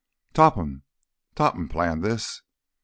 "Topham, Topham planned this?"